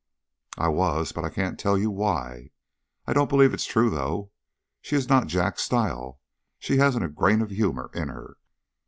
"I was, but I can't tell you why. I don't believe it's true, though. She is not Jack's style. She hasn't a grain of humour in her."